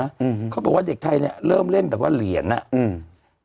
อืมเขาบอกว่าเด็กไทยเนี้ยเริ่มเล่นแบบว่าเหรียญอ่ะอืม